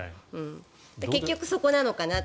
結局そこなのかなと。